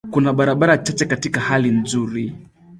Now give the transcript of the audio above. Kuna barabara chache katika hali nzuri.